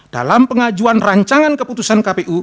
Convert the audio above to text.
dalam pengajuan rancangan keputusan kpu